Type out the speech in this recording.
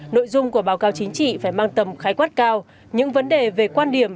nội dung của báo cáo chính trị phải mang tầm khái quát cao những vấn đề về quan điểm